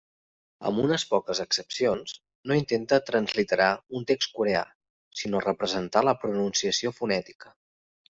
Amb unes poques excepcions, no intenta transliterar un text coreà, sinó representar la pronunciació fonètica.